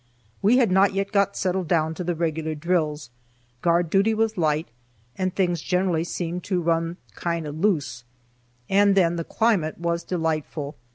We had not yet got settled down to the regular drills, guard duty was light, and things generally seemed to run "kind of loose." And then the climate was delightful.